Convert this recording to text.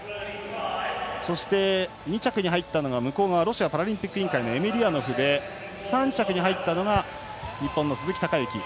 そして２着がロシアパラリンピック委員会エメリアノフで３着に日本の鈴木孝幸。